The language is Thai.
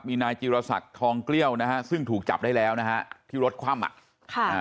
มีนายจิรษักทองเกลี้ยวนะฮะซึ่งถูกจับได้แล้วนะฮะที่รถคว่ำอ่ะค่ะอ่า